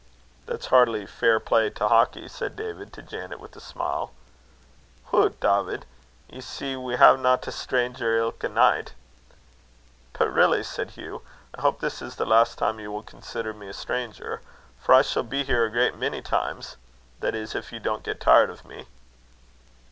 "That's hardly fair play to Hawkie," said David to Janet with a smile. "Hoot! Dawvid, ye see we haena a stranger ilka nicht." "But really," said Hugh, "I hope this is the last time you will consider me a stranger, for I shall be here a great many times that is, if you don't get tired of me."